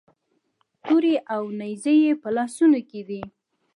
تورې او نیزې یې په لاسونو کې دي.